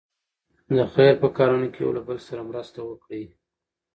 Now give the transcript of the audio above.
د خیر په کارونو کې یو له بل سره مرسته وکړئ.